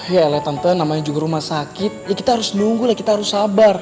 ya lah tantan namanya juga rumah sakit ya kita harus nunggu kita harus sabar